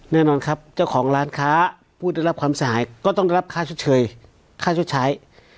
แน่นอนครับเจ้าของร้านค้าผู้ได้รับความเสียหายก็ต้องได้รับค่าชดเชยค่าชดใช้